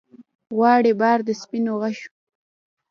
غواړي بار د سپینو غشو